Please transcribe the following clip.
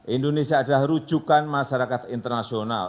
indonesia adalah rujukan masyarakat internasional